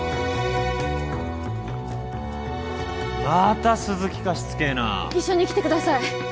また鈴木かしつけえな一緒に来てください